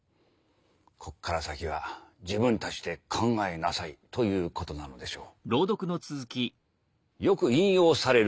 ここから先は自分たちで考えなさいということなのでしょう。